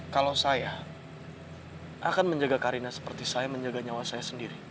kalau saya akan menjaga karina seperti saya menjaga nyawa saya sendiri